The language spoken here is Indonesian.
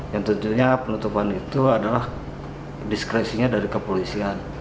yang tentunya penutupan itu adalah diskresinya dari kepolisian